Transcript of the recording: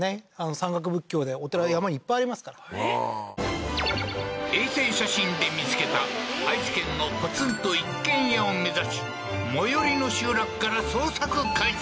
山岳仏教でお寺山にいっぱいありますから衛星写真で見つけた愛知県のポツンと一軒家を目指し最寄りの集落から捜索開始